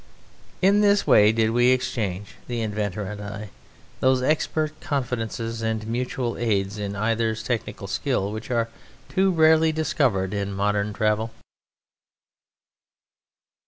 In this way did we exchange, the Inventor and I, those expert confidences and mutual aids in either's technical skill which are too rarely discovered in modern travel.